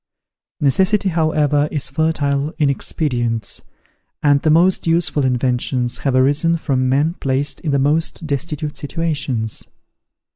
Necessity, however, is fertile in expedients, and the most useful inventions have arisen from men placed in the most destitute situations.